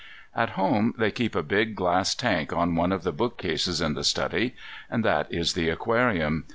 At home they keep a big glass tank on one of the bookcases in the study. And that is the aquarium.